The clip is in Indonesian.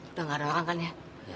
udah gak ada orang kan ya